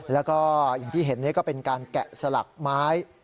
แล้วก็อย่างที่เห็นก็เป็นการแกะสลักไม้